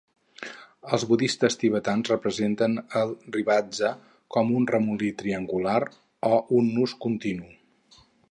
Els budistes tibetans representen el shrivatsa com un remolí triangular o un nus continu.